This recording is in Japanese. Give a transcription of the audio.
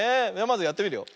まずやってみるよ。